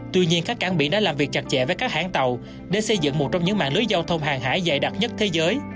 tuy nhiên các cảng biển đã làm việc chặt chẽ với các hãng tàu để xây dựng một trong những mạng lưới giao thông hàng hải dài đặc nhất thế giới